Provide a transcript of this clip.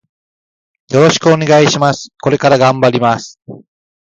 よろしくお願いします。これから頑張ります。